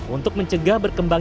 untuk mencegah berkembang